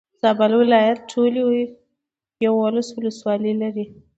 زابل ولايت ټولي يولس ولسوالي لري.